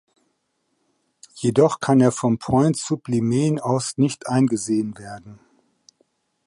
Jedoch kann er vom Point Sublime aus nicht eingesehen werden.